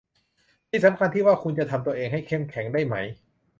สำคัญที่ว่าคุณจะทำตัวเองให้เข้มแข็งได้ไหม